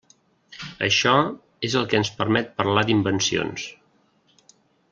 Això és el que ens permet parlar d'invencions.